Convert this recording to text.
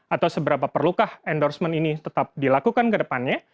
atau seberapa perlukah endorsement ini tetap dilakukan ke depannya